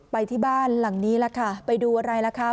ไปที่บ้านหลังนี้ล่ะค่ะไปดูอะไรล่ะคะ